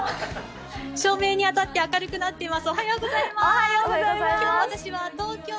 照明に当たって明るくなっています。